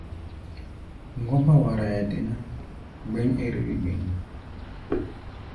Ŋgɔ́mbá waraʼɛ dé ná, gbɛ́ŋ ɛ́r-wí gbɛŋí.